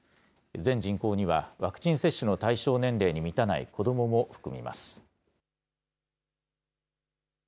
全人口には、ワクチン接種の対象年齢に満たない子どもも含めます。